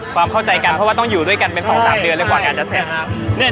ความเข้าใจกันเพราะว่าต้องอยู่ด้วยกันเป็น๒๓เดือนแล้วกว่างานจะเสร็จ